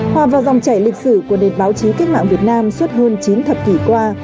hòa vào dòng chảy lịch sử của nền báo chí cách mạng việt nam suốt hơn chín thập kỷ qua